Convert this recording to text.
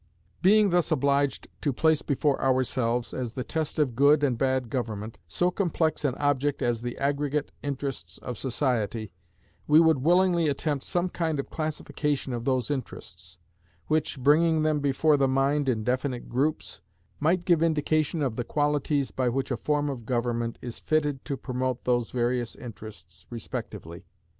Being thus obliged to place before ourselves, as the test of good and bad government, so complex an object as the aggregate interests of society, we would willingly attempt some kind of classification of those interests, which, bringing them before the mind in definite groups, might give indication of the qualities by which a form of government is fitted to promote those various interests respectively.